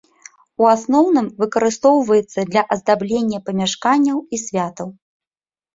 У асноўным выкарыстоўваецца для аздаблення памяшканняў і святаў.